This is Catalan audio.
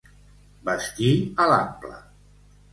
Vestir a l'ample.